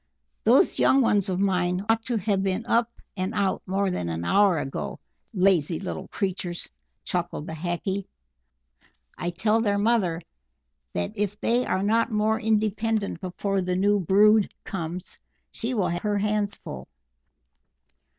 "Those young ones of mine ought to have been up and out more than an hour ago, lazy little creatures!" chuckled the Hackee. "I tell their mother that if they are not more independent before the new brood comes, she will have her hands full."